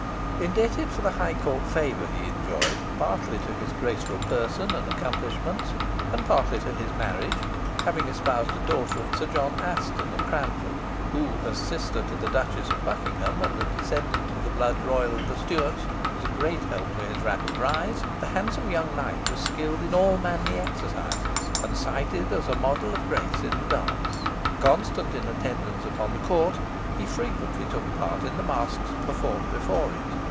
Indebted for the high court favour he enjoyed partly to his graceful person and accomplishments, and partly to his marriage, having espoused a daughter of Sir John Aston of Cranford, who, as sister of the Duchess of Buckingham, and a descendant of the blood royal of the Stuarts, was a great help to his rapid rise, the handsome young knight was skilled in all manly exercises, and cited as a model of grace in the dance. Constant in attendance upon the court, he frequently took part in the masques performed before it.